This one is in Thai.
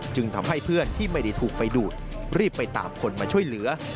ทำให้เพื่อนที่ไม่ได้ถูกไฟดูดรีบไปตามคนมาช่วยเหลือ